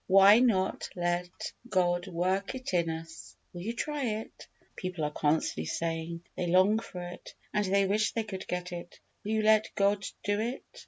Why not let God work it in us? Will you try it? People are constantly saying, "They long for it, and they wish they could get it." Will you let God do it?